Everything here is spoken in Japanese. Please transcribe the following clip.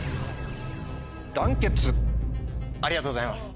ありがとうございます。